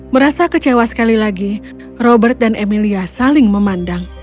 merasa kecewa sekali lagi robert dan emilia saling memandang